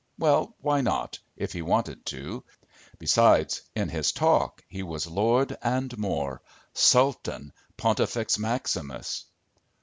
Well, why not, if he wanted to? Besides, in his talk he was lord and more sultan, pontifex maximus.